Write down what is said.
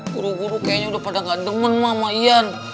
guru guru kayaknya udah pada gak demen ma sama yan